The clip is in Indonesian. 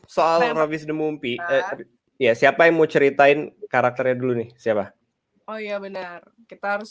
soal habis demun pih ya siapa yang mau ceritain karakternya dulu nih siapa oh ya benar kita harus